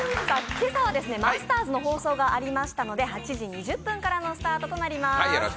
今朝はマスターズの放送がありましたので８時２０分からのスタートとなります。